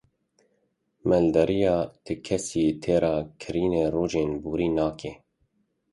Maldariya ti kesî têra kirîna rojên borî nake.